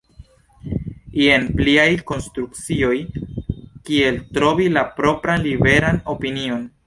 Jen pliaj instrukcioj kiel trovi la propran liberan opinion!